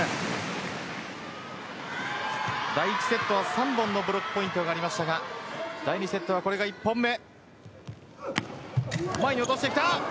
第１セットは３本のブロックポイントがありましたが第２セットはこれが１本目。